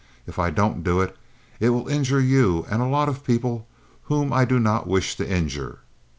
If I don't do it, it will injure you and a lot of people whom I do not wish to injure.